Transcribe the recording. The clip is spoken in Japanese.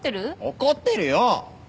怒ってるよ！